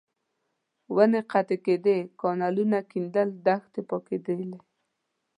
ونې قطع کېدې، کانالونه کېندل، دښتې پاکېدل.